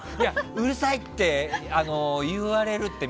うるさい！って言われるって。